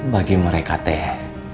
bagi mereka teh